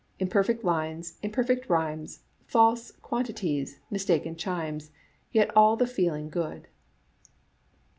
Imperfect lines, imperfect rhymes, False quantities, mistaken chimes, Yet all the feeling good.